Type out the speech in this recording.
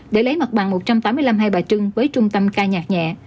để lấy mặt bằng một trăm tám mươi năm hai bà trưng với trung tâm ca nhạc nhẹ